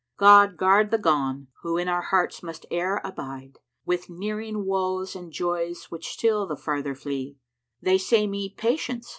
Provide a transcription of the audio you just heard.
God guard the gone, who in our hearts must e'er abide * With nearing woes and joys which still the farther flee. They say me, 'Patience!'